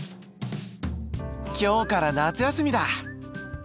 今日から夏休みだ。